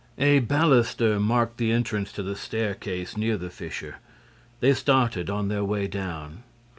A baluster marked the entrance to the staircase, near the fissure. They started on their way down.